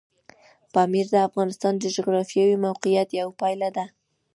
پامیر د افغانستان د جغرافیایي موقیعت یوه پایله ده.